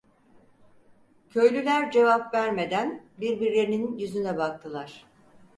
Köylüler cevap vermeden birbirlerinin yüzüne baktılar.